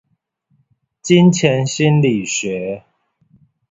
金錢心理學